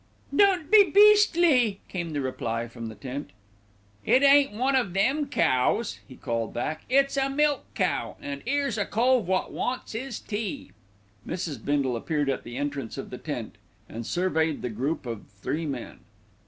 "Don't be beastly," came the reply from the tent. "It ain't one of them cows," he called back, "it's a milk cow, an' 'ere's a cove wot wants 'is tea." Mrs. Bindle appeared at the entrance of the tent, and surveyed the group of three men.